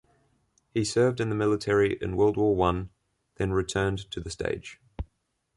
He served in the military in World War One, then returned to the stage.